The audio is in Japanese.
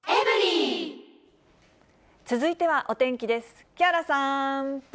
続いてはお天気です。